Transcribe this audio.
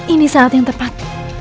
ini saat yang tepat